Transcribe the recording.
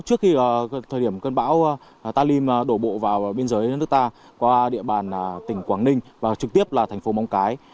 trước khi thời điểm cơn bão talim đổ bộ vào biên giới nước ta qua địa bàn tỉnh quảng ninh và trực tiếp là thành phố móng cái